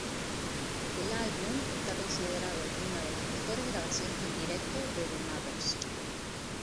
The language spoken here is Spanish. El álbum está considerado una de las mejores grabaciones en directo de The Mothers.